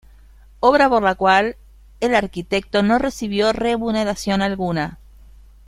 Obra por la cual el arquitecto no recibió remuneración alguna.